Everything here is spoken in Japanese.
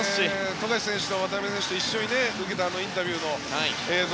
富樫選手と渡邊選手と一緒に受けたインタビューの映像